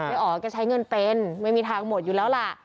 อ๋อแกใช้เงินเป็นไม่มีทางหมดอยู่แล้วล่ะ